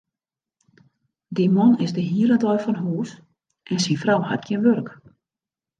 Dy man is de hiele dei fan hûs en syn frou hat gjin wurk.